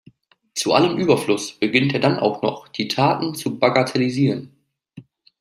Zu allem Überfluss beginnt er dann auch noch, die Taten zu bagatellisieren.